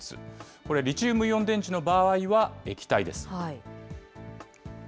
これ、リチウムイオン電池の場合は液体です。